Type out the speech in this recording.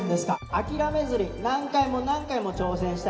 あきらめずに何回も何回も挑戦したらね